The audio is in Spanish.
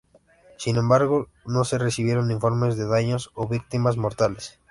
Sin embargo, no se recibieron informes de daños o víctimas mortales.